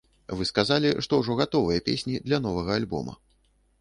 Вы сказалі, што ўжо гатовыя песні для новага альбома.